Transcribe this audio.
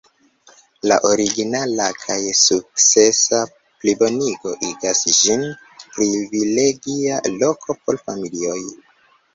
La originala kaj sukcesa plibonigo igas ĝin privilegia loko por familioj.